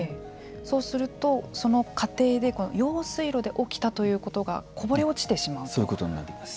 そうすると、その過程で用水路で起きたということがそういうことになります。